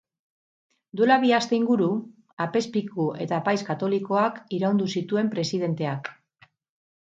Duela bi aste inguru, apezpiku eta apaiz katolikoak iraindu zituen presidenteak.